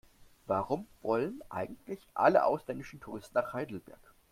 Warum wollen eigentlich alle ausländischen Touristen nach Heidelberg?